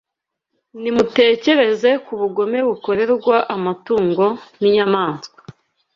Nimutekereze ku bugome bukorerwa amatungo n’inyamaswa